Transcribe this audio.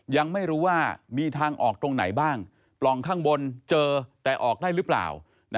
ยังไม่รู้ว่ามีทางออกตรงไหนบ้างปล่องข้างบนเจอแต่ออกได้หรือเปล่า